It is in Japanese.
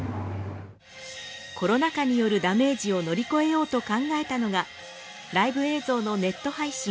コロナ禍によるダメージを乗り越えようと考えたのがライブ映像のネット配信。